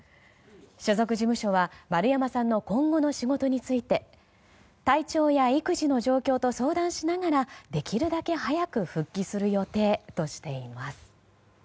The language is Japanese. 所属事務所は丸山さんの今後の仕事について体調や育児の状況と相談しながらできるだけ早く復帰する予定としています。